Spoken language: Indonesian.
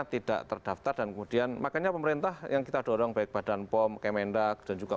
tidak terdaftar dan kemudian makanya pemerintah yang kita dorong baik badan pom kemendak dan juga